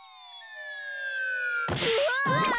うわ！